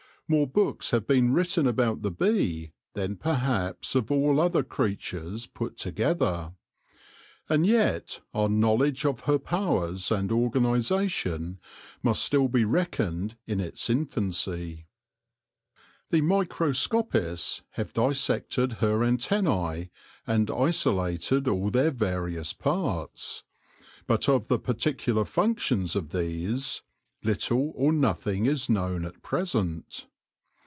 More books have been written about the bee than perhaps of all other creatures put together. And yet our knowledge of her powers and organisation must still be reckoned in its infancy. The microscopists have dissected her antennae and isolated all their various parts, but of the particular functions of these little or nothing is known at present.